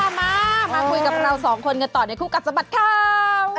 มามาคุยกับเราสองคนกันต่อในคู่กัดสะบัดข่าว